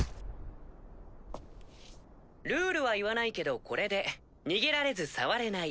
ルールは言わないけどこれで逃げられず触れない。